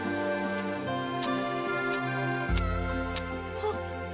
あっ。